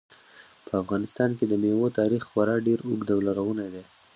په افغانستان کې د مېوو تاریخ خورا ډېر اوږد او لرغونی دی.